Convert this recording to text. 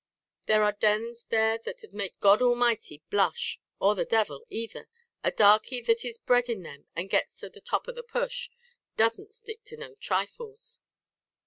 There are dens there that'd make God Almighty blush, or the Devil either; a darkey that is bred in them and gets to the top of the push, doesn't stick at no trifles!